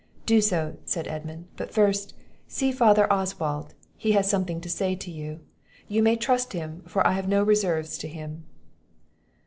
"Do so," said Edmund; "but first, see Father Oswald; he has something to say to you. You may trust him, for I have no reserves to him."